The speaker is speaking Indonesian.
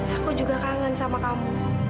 aku juga kangen sama kamu